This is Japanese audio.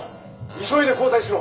急いで交代しろ！